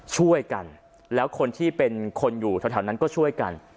ช่วยกันแล้วคนที่เป็นคนอยู่แถวนั้นก็ช่วยกัน